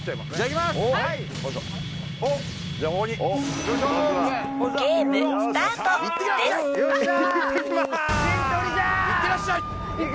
いってらっしゃい！